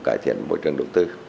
cải thiện môi trường đầu tư